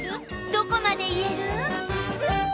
どこまでいえる？